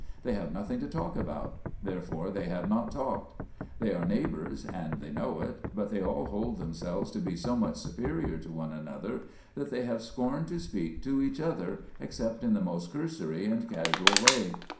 They have nothing to talk about; therefore they have not talked. They are neighbours, and they know it; but they all hold themselves to be so much superior to one another that they have scorned to speak to each other, except in the most cursory and casual way.